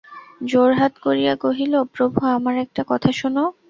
জোড়হাত করিয়া কহিল, প্রভু, আমার একটা কথা শোনো।